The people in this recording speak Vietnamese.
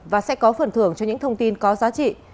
và sẽ có phần thưởng cho những thông tin có giá trị